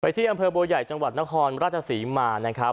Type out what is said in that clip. ที่อำเภอบัวใหญ่จังหวัดนครราชศรีมานะครับ